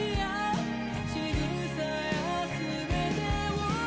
「しぐさや全てを」